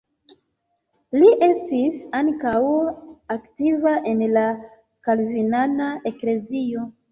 Li estis ankaŭ aktiva en la kalvinana eklezio.